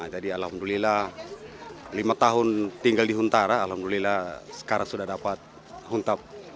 jadi alhamdulillah lima tahun tinggal di huntara alhamdulillah sekarang sudah dapat kuntab